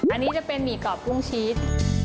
อันนี้จะเป็นหมี่กรอบกุ้งชีส